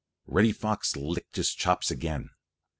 Reddy Fox licked his chops again.